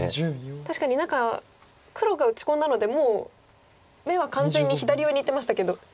確かに何か黒が打ち込んだのでもう目は完全に左上にいってましたけれども。